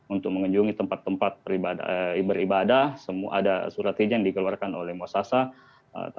untuk mengunjungi tempat tempat beribadah ada surat hijrah yang dikeluarkan oleh muassasa tanpa harus lagi menggunakan tawakalna